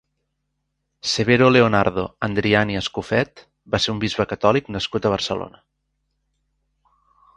Severo Leonardo Andriani Escofet va ser un bisbe catòlic nascut a Barcelona.